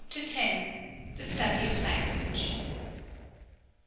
X. THE STUDY OF LANGUAGE.